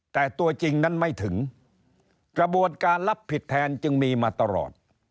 แต่ตัวจริงนั้นไม่ถึงกระบวนการรับผิดแทนจึงมีมาตลอด